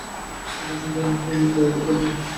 যদি অসুবিধা না হয়, সেগুলি দয়া করে পাঠিয়ে দিও।